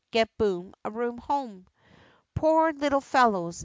Get Boom a Room home !'' Poor little fellows